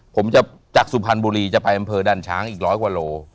ผมจะจากสุพรรณบุรีจะไปอำเภอดันช้างอีกร้อยกว่าโล